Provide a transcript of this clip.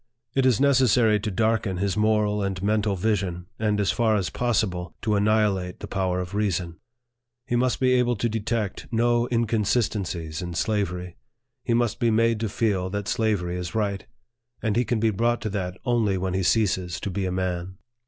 It is necessary to darken his moral and mental vision, and, as far as possible, to annihilate the power of reason. He must be able to detect no in consistencies in slavery ; he must be made to feel that slavery is right ; and he can be brought to that only when he ceases to be a man.